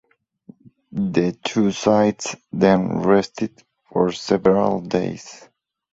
The two sides then rested for several days.